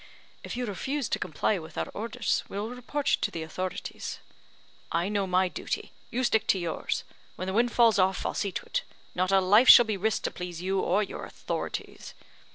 "If you refuse to comply with our orders, we will report you to the authorities." "I know my duty you stick to yours. When the wind falls off, I'll see to it. Not a life shall be risked to please you or your authorities."